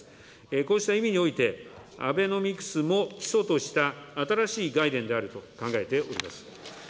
こうした意味において、アベノミクスも基礎とした新しい概念であると考えております。